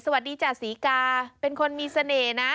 สวัสดีจ้ะศรีกาเป็นคนมีเสน่ห์นะ